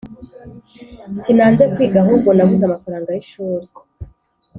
Sinanze kwiga ahubwo nabuze amafaranga yishuri